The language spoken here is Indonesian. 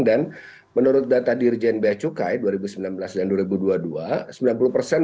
dan menurut data dirjen beacukai dua ribu sembilan belas dan dua ribu dua puluh dua